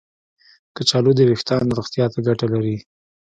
کچالو د ویښتانو روغتیا ته ګټه لري.